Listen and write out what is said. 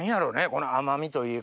この甘みといい